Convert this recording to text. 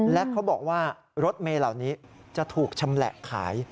และเขาบอกว่ารถเมย์เหล่านี้จะถูกชำแหละขาย